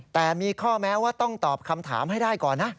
แต่มีข้อแม้ว่าต้องตอบคำถามให้ได้ก่อนนะ